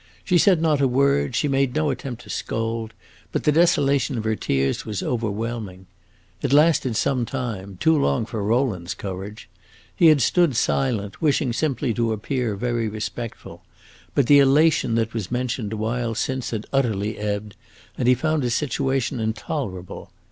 She said not a word, she made no attempt to scold; but the desolation of her tears was overwhelming. It lasted some time too long for Rowland's courage. He had stood silent, wishing simply to appear very respectful; but the elation that was mentioned a while since had utterly ebbed, and he found his situation intolerable.